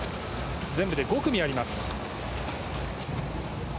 全部で５組あります。